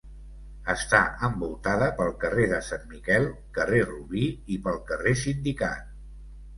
Està envoltada pel carrer de Sant Miquel, carrer Rubí i pel carrer Sindicat.